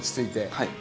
はい。